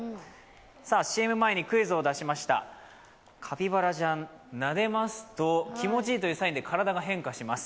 ＣＭ前にクイズを出しましたカピバラちゃん、なでますと気持ちいいというサインで体が変化します。